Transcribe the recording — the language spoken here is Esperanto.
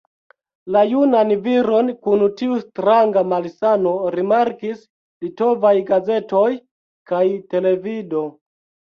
La junan viron kun tiu stranga malsano rimarkis litovaj gazetoj kaj televido.